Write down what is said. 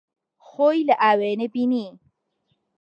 خۆی لە ئاوێنە بینی.